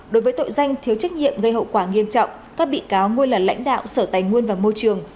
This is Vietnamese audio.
đối với tội danh thiếu trách nhiệm gây hậu quả nghiêm trọng các bị cáo nguyên là lãnh đạo sở tài nguyên và môi trường